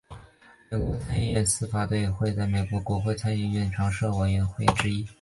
美国参议院司法委员会是美国国会参议院的常设委员会之一。